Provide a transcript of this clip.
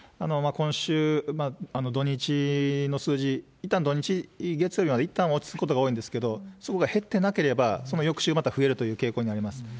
今週、土日の数字、いったん土日、月曜日までいったん落ち着くことが多いんですけれども、そこが減ってなければ、その翌週また増えるという傾向にあります。